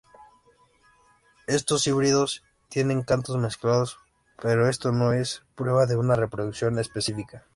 Estos híbridos tienen cantos mezclados, pero esto no es prueba de una reproducción específica.